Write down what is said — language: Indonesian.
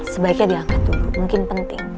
sebaiknya diangkat dulu mungkin penting